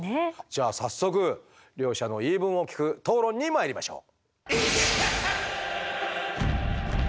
じゃあ早速両者の言い分を聞く討論にまいりましょう。